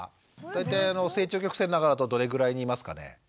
大体成長曲線の中だとどれぐらいにいますかね？